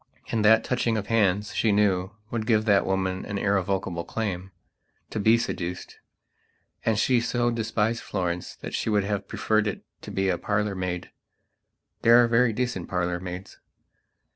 And that touching of hands, she knew, would give that woman an irrevocable claimto be seduced. And she so despised Florence that she would have preferred it to be a parlour maid. There are very decent parlour maids.